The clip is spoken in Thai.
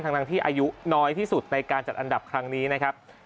ทั้งที่อายุน้อยที่สุดในการจัดอันดับครั้งนี้นะครับ